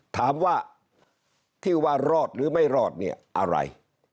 ถามว่าที่ว่ารอดหรือไม่รอดเนี่ยอะไร